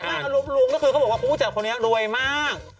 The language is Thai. อารมณ์ลุงก็คือเขาบอกว่าผู้จัดคนนี้รวยมาก